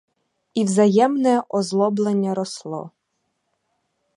І взаємне озлоблення росло.